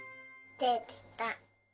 できた！